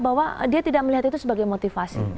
bahwa dia tidak melihat itu sebagai motivasi